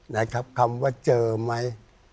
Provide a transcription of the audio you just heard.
นะครับคำว่าเจอมั้ย